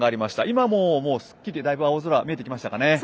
今も、すっきりだいぶ青空見えてきましたかね。